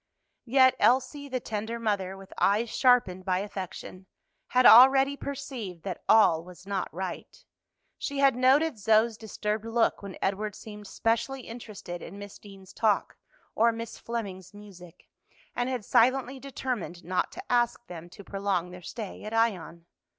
Yet Elsie, the tender mother, with eyes sharpened by affection, had already perceived that all was not right. She had noted Zoe's disturbed look when Edward seemed specially interested in Miss Deane's talk or Miss Fleming's music, and had silently determined not to ask them to prolong their stay at Ion.